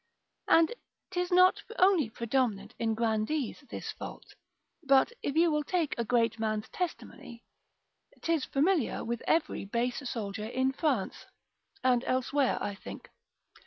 And 'tis not only predominant in grandees this fault: but if you will take a great man's testimony, 'tis familiar with every base soldier in France, (and elsewhere, I think).